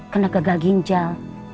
kena gagal ginjal